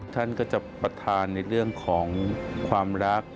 ท่านก็จะประธานในเรื่องของความรัก